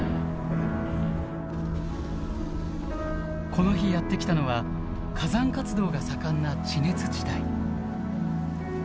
この日やって来たのは火山活動が盛んな地熱地帯。